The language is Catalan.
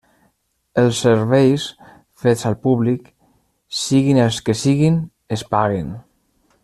Els serveis fets al públic, siguin els que siguin, es paguen.